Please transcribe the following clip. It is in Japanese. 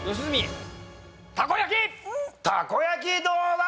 たこ焼きどうだ？